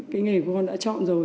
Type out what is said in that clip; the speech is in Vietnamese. cái nghề của con đã chọn rồi